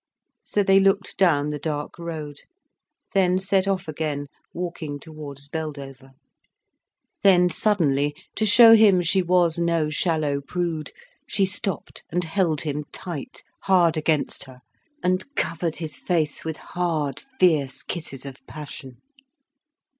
So they looked down the dark road, then set off again walking towards Beldover. Then suddenly, to show him she was no shallow prude, she stopped and held him tight, hard against her, and covered his face with hard, fierce kisses of passion.